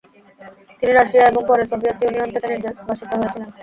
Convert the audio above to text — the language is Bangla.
তিনি রাশিয়া এবং পরে সোভিয়েত ইউনিয়ন থেকে নির্বাসিত হয়েছিলেন।